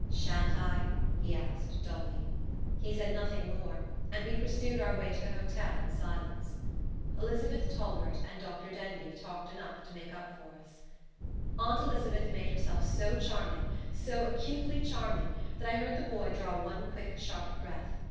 "Sha'n't I?" he asked, dully. He said nothing more, and we pursued our way to the hotel in silence. Elizabeth Talbert and Dr. Denbigh talked enough to make up for us. Aunt Elizabeth made herself so charming, so acutely charming, that I heard the boy draw one quick, sharp breath.